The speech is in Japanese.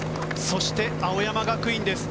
そして、青山学院です。